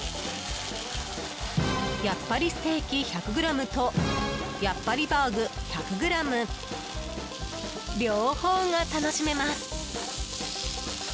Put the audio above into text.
やっぱりステーキ１００ｇとやっぱりバーグ１００ｇ両方が楽しめます。